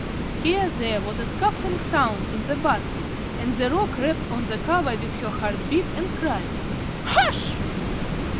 Here there was a scuffling sound in the basket, and the Roc rapped on the cover with her hard beak, and cried, "Hush!"